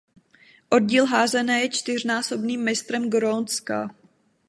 Oddíl házené je čtyřnásobným mistrem Grónska.